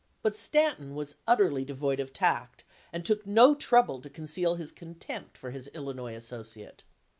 But Stanton was utterly devoid of tact, and took no trouble to conceal his contempt for his Illinois associate.